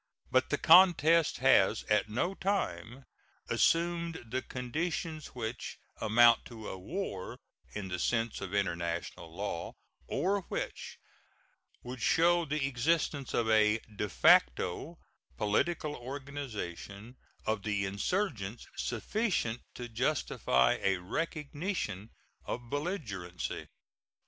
But the contest has at no time assumed the conditions which amount to a war in the sense of international law, or which would show the existence of a de facto political organization of the insurgents sufficient to justify a recognition of belligerency.